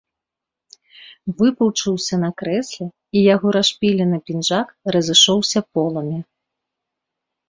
Выпучыўся на крэсле, і яго расшпілены пінжак разышоўся поламі.